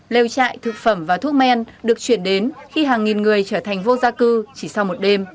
lêu trại thực phẩm và thuốc men được chuyển đến khi hàng nghìn người trở thành vô gia cư chỉ sau một đêm